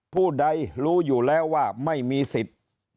ผู้ใดรู้อยู่แล้วว่าไม่มีสิทธิ์